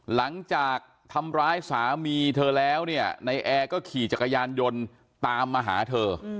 หลังจากทำร้ายสามีเธอแล้วเนี่ยในแอร์ก็ขี่จักรยานยนต์ตามมาหาเธอ